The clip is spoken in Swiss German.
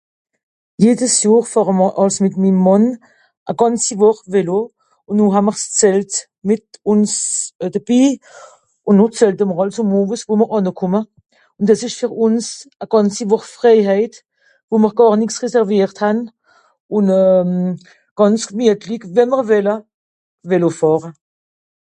Jedes Johr fàhre mr àls mìt mim Mànn e gànzi Wùch Vélo, ùn noh haa'mr s'Zelt mìt...ùns euh... debi, ùn noh Zelte mr àls àm Owets wo mr ànne kùmme. Ùn dìs ìsch fer ùns e gànzi Wùch fréihèit, wo mr gàr nix reserviert hän, ùn euh... gànz gmietlig, we'mr wìlle, Vélo fàhre.